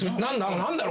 何だろう